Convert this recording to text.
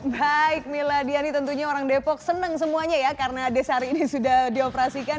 baik mila diani tentunya orang depok senang semuanya ya karena desari ini sudah dioperasikan